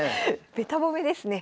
べた褒めですね。